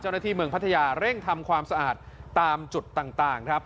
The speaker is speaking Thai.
เจ้าหน้าที่เมืองพัทยาเร่งทำความสะอาดตามจุดต่างครับ